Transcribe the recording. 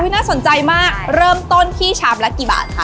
น่าสนใจมากเริ่มต้นที่ชามละกี่บาทค่ะ